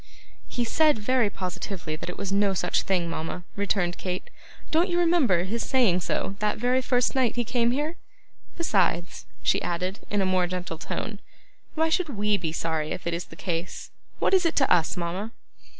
'He said very positively that it was no such thing, mama,' returned Kate. 'Don't you remember his saying so that very first night he came here? Besides,' she added, in a more gentle tone, 'why should WE be sorry if it is the case? What is it to us, mama?